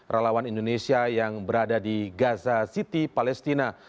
relawan indonesia yang berada di gaza city palestina